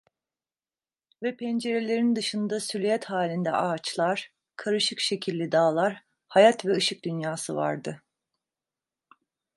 Ve pencerelerin dışında siluet halinde ağaçlar, karışık şekilli dağlar, hayat ve ışık dünyası vardı…